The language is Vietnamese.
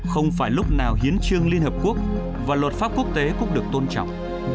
không phải lúc nào hiến trương liên hợp quốc và luật pháp quốc tế cũng được tôn trọng